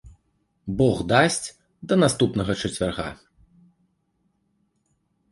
Бог дасць, да наступнага чацвярга.